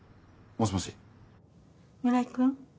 もしもし村井君？